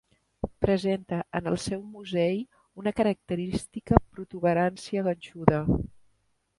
Presenta en el seu musell una característica protuberància ganxuda.